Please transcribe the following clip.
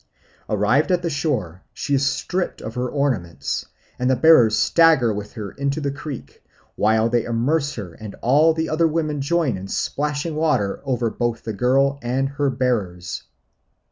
Arrived at the shore, she is stripped of her ornaments, and the bearers stagger with her into the creek, where they immerse her, and all the other women join in splashing water over both the girl and her bearers.